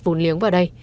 phun liếng vào đây